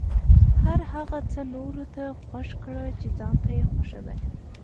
هر هغه څه نورو ته خوښ کړه چې ځان ته یې خوښوې.